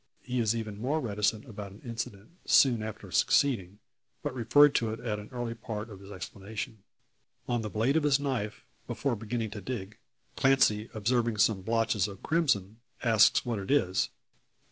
He is even more reticent about an incident, soon after succeeding, but referred to it at an early part of his explanation. On the blade of his knife, before beginning to dig, Clancy observing some blotches of crimson, asks what it is.